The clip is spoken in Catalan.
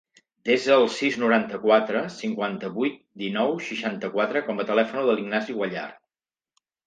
Desa el sis, noranta-quatre, cinquanta-vuit, dinou, seixanta-quatre com a telèfon de l'Ignasi Guallar.